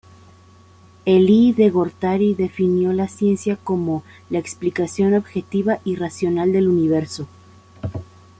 Elí de Gortari definió la ciencia como "la explicación objetiva y racional del universo".